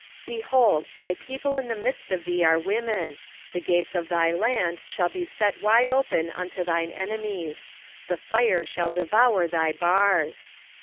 3:13 Behold, thy people in the midst of thee are women: the gates of thy land shall be set wide open unto thine enemies: the fire shall devour thy bars.